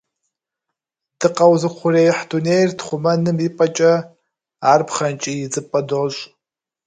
Дыкъэузыухъуреихь дунейр тхъумэным и пӀэкӀэ, ар пхъэнкӀий идзыпӀэ дощӀ.